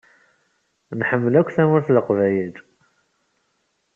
Nḥemmel akk Tamurt n Leqbayel.